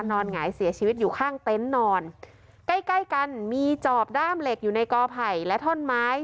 หงายเสียชีวิตอยู่ข้างเต็นต์นอนใกล้ใกล้กันมีจอบด้ามเหล็กอยู่ในกอไผ่และท่อนไม้